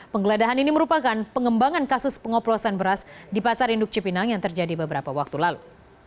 penggeledahan ini merupakan pengembangan kasus pengoplosan beras di pasar induk cipinang yang terjadi beberapa waktu lalu